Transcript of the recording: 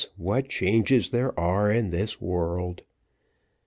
what changes there are in this world!